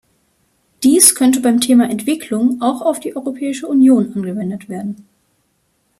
Dies könnte beim Thema Entwicklung auch auf die Europäische Union angewendet werden.